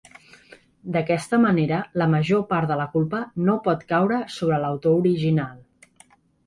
D'aquesta manera, la major part de la culpa no pot caure sobre l'autor original.